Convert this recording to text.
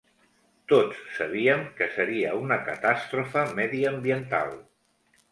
Tots sabíem que seria una catàstrofe mediambiental.